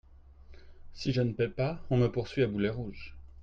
Si je ne paie pas, on me poursuit à boulets rouges.